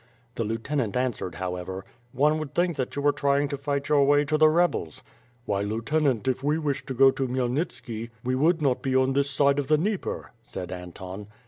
The lieutenant answered however: "One would think that you were trying to fight your way to the rebels." "Why, lieutenant, if we wish to go to Khmyelnitski, we would not be on this side of the Dnieper," said Anton.